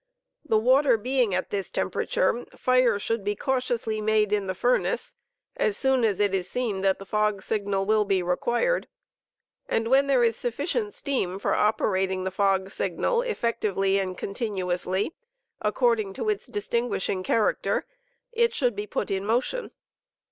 The water being at this temper ature fire should be cautiously made in the furnace as soon as* it is seen that the fog signal will be required, and when there is sufficient steam for operating the fog*signal effectively and continuously, according to its distinguishing character, it should be put in motion.